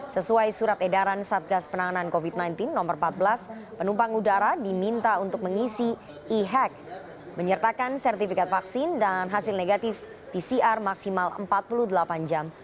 sesuai surat edaran satgas penanganan covid sembilan belas nomor empat belas penumpang udara diminta untuk mengisi e hack menyertakan sertifikat vaksin dan hasil negatif pcr maksimal empat puluh delapan jam